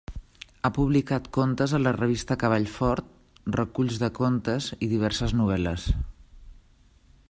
Ha publicat contes a la revista Cavall Fort, reculls de contes i diverses novel·les.